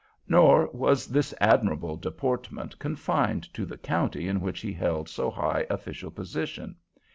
Nor was this admirable deportment confined to the county in which he held so high official position.